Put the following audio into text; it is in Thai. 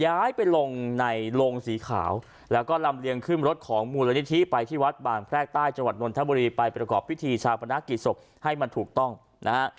ย้ายไปลงในโรงสีขาวแล้วก็ลำเลียงขึ้นรถของมูลนิธิไปที่วัดบางแพรกใต้จังหวัดนทบุรีไปประกอบพิธีชาปนกิจศพให้มันถูกต้องนะฮะ